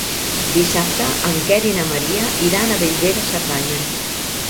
Dissabte en Quer i na Maria iran a Bellver de Cerdanya.